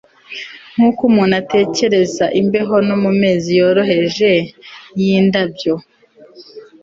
nkuko umuntu atekereza imbeho no mumezi yoroheje yindabyo